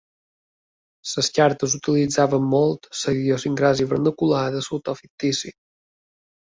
Les cartes utilitzaven molt la idiosincràsia vernacular de l'autor fictici.